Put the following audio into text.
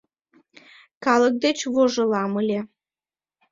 Калык деч вожылам ыле!